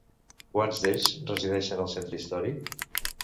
Quants d'ells resideixen al centre històric?